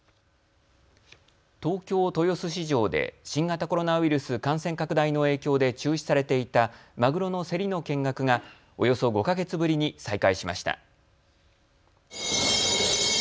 東京・豊洲市場で新型コロナウイルス感染拡大の影響で中止されていたマグロの競りの見学がおよそ５か月ぶりに再開しました。